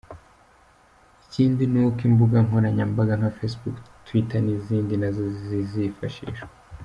Ikindi nuko imbuga nkoranyambaga nka Facebook, Twitter n’izindi nazo zizifashishwa.